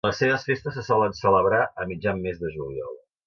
Les seves festes se solen celebrar a mitjan mes de juliol.